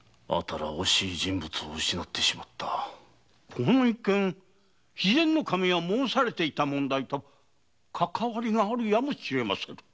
この一件肥前守が申されていた問題とかかわりがあるやも。